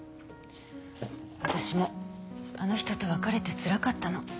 私もあの人と別れてつらかったの。